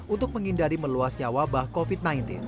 untuk menghindari meluasnya wabah covid sembilan belas